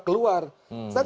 ini memang cerita keluar